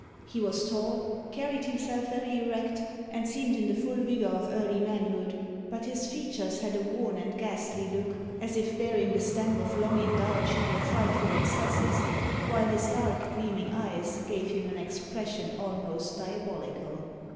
He was tall, carried himself very erect, and seemed in the full vigour of early manhood; but his features had a worn and ghastly look, as if bearing the stamp of long indulged and frightful excesses, while his dark gleaming eyes gave him an expression almost diabolical.